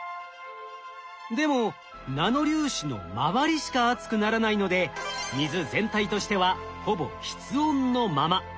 でもナノ粒子の周りしか熱くならないので水全体としてはほぼ室温のまま。